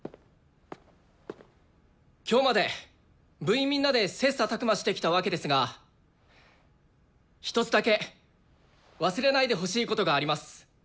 今日まで部員みんなで切さたく磨してきたわけですが一つだけ忘れないでほしいことがあります。